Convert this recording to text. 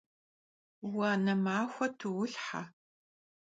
Vuane maxue tuulhhe!